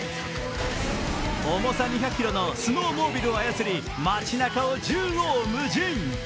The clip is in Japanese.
重さ２００ｋｇのスノーモービルを操り街なかを縦横無尽！